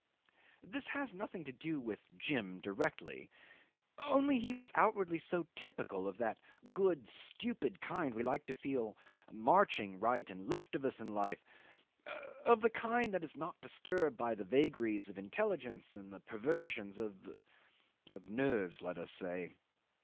'This has nothing to do with Jim, directly; only he was outwardly so typical of that good, stupid kind we like to feel marching right and left of us in life, of the kind that is not disturbed by the vagaries of intelligence and the perversions of of nerves, let us say.